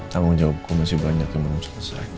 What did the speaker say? tanggung jawab komisi banyak yang belum selesai